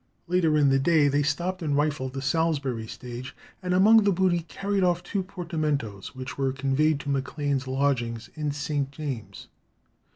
Later in the day they stopped and rifled the Salisbury stage, and among the booty carried off two portmanteaus, which were conveyed to Maclane's lodgings in St. James's.